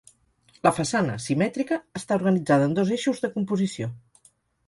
La façana, simètrica, està organitzada en dos eixos de composició.